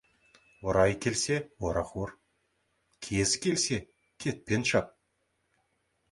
Орайы келсе, орақ ор, кезі келсе, кетпен шап.